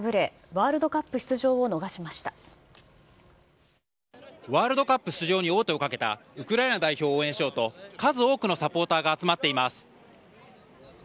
ワールドカップ出場に王手をかけたウクライナ代表を応援しようと、数多くのサポーターが集まっています。